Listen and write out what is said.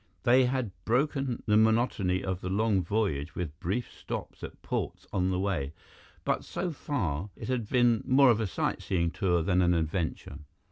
They had broken the monotony of the long voyage with brief stops at ports on the way, but so far, it had been more of a sightseeing tour than an adventure.